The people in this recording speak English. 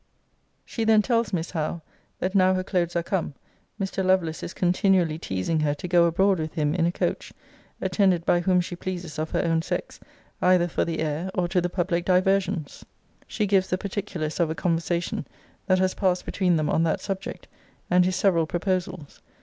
[She then tells Miss Howe, that now her clothes are come, Mr. Lovelace is continually teasing her to go abroad with him in a coach, attended by whom she pleases of her own sex, either for the air, or to the public diversions. She gives the particulars of a conversation that has passed between them on that subject, and his several proposals.